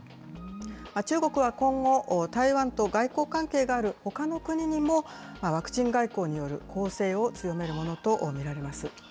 中国は今後、台湾と外交関係があるほかの国にも、ワクチン外交による攻勢を強めるものと見られます。